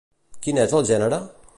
Quin és el gènere?